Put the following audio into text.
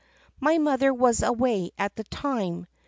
"My mother was away at the time.